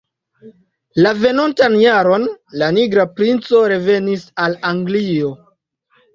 La venontan jaron, la Nigra Princo revenis al Anglio.